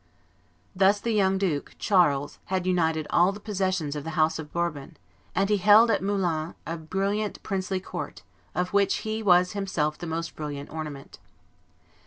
Thus the young duke, Charles, had united all the possessions of the house of Bourbon; and he held at Moulins a brilliant princely court, of which he was himself the most brilliant ornament.